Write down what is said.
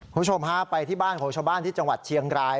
คุณผู้ชมฮะไปที่บ้านของชาวบ้านที่จังหวัดเชียงราย